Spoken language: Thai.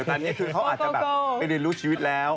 ตอนนี้คือเขาอาจจะแบบไปเรียนรู้ชีวิตแล้ว